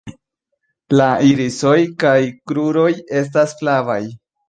La irisoj kaj kruroj estas flavaj.